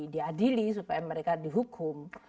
diadili supaya mereka dihukum